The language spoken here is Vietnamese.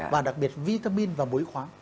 và đặc biệt vitamin và muối khoáng